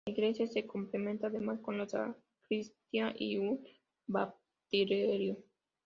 La iglesia se complementa además con la sacristía y un baptisterio.